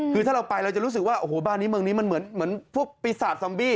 คือถ้าเราไปเราจะรู้สึกว่าโอ้โหบ้านนี้เมืองนี้มันเหมือนพวกปีศาจซัมบี้